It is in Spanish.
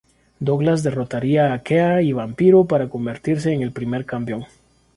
Douglas derrotaría a Kea y Vampiro para convertirse en el primer campeón.